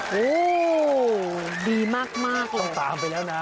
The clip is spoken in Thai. โหดีมากตามไปแล้วนะ